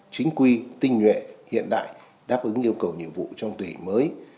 chính quy tinh nhuệ hiện đại đáp ứng yêu cầu nhiệm vụ trong tùy mới